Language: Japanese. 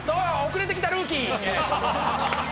遅れてきたルーキー！